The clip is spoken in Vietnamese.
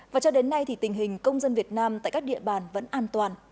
và cho đến nay thì tình hình công dân việt nam tại các địa bàn vẫn an toàn